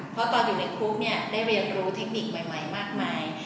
เพราะตอนอยู่ในคุกเนี่ยได้เรียนรู้เทคนิคใหม่มากมาย